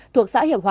thuộc xã hiệp hòa